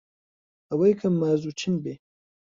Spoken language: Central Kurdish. ئەوەی کە مازوو چن بێ